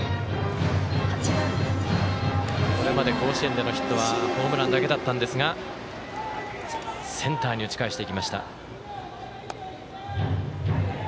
これまで甲子園でのヒットはホームランだけだったんですがセンターに打ち返していきました。